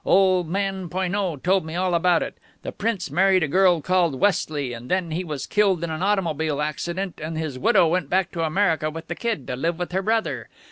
Old man Poineau told me all about it. The Prince married a girl called Westley, and then he was killed in an automobile accident, and his widow went back to America with the kid, to live with her brother.